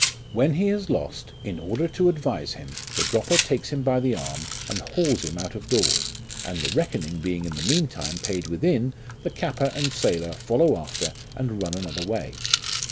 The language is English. When he has lost, in order to advise him, the dropper takes him by the arm, and hauls him out of doors, and the reckoning being in the meantime paid within, the capper and sailor follow after and run another way.